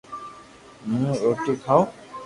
ھون روٽي کاو